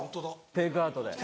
テイクアウトで。